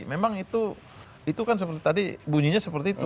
memang itu kan seperti tadi bunyinya seperti itu